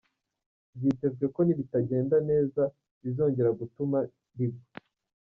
Byitezwe ko nibitagenda neza bizongera gutuma rigwa.